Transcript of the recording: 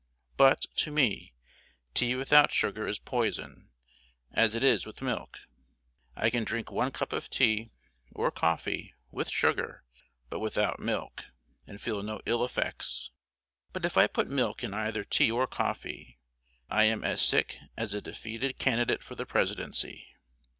But, to me, tea without sugar is poison, as it is with milk. I can drink one cup of tea, or coffee, with sugar, but without milk, and feel no ill effects; but if I put milk in either tea or coffee, I am as sick as a defeated candidate for the Presidency.